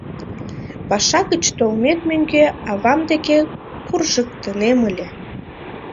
Паша гыч толмет мӧҥгӧ авам деке куржыктынем ыле.